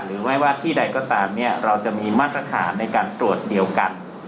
หรือไม่ว่าที่ใดก็ตามเนี่ยเราจะมีมาตรฐานในการตรวจเดียวกัน